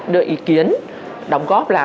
đưa ý kiến đóng góp là